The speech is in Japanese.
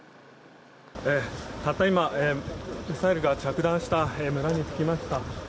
たった今ミサイルが着弾した村に着きました。